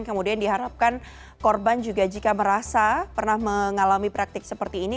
kemudian diharapkan korban juga jika merasa pernah mengalami praktik seperti ini